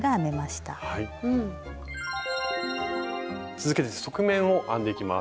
続けて側面を編んでいきます。